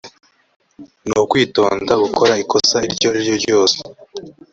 nukwitonda gukora ikosa iryo ari ryo ryose .